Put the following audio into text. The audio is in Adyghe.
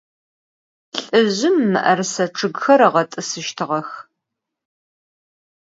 Lh'ızjım mı'erıse ççıgxer ığet'ısıştığex.